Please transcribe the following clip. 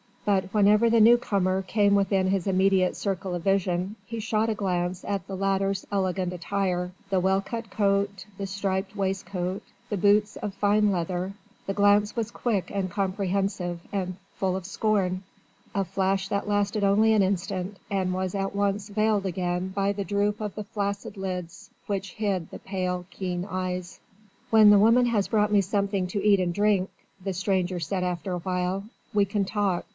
But whenever the new comer came within his immediate circle of vision he shot a glance at the latter's elegant attire the well cut coat, the striped waistcoat, the boots of fine leather the glance was quick and comprehensive and full of scorn, a flash that lasted only an instant and was at once veiled again by the droop of the flaccid lids which hid the pale, keen eyes. "When the woman has brought me something to eat and drink," the stranger said after a while, "we can talk.